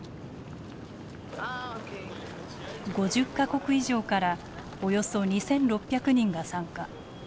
５０か国以上からおよそ２，６００人が参加。